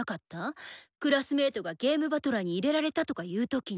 クラスメートが遊戯師団に入れられたとかいう時に。